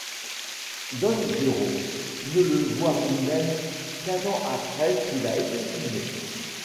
Danjūrō ne le voit lui-même qu'un an après qu'il a été filmé.